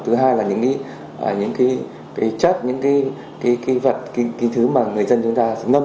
thứ hai là những chất những vật những thứ mà người dân chúng ta ngâm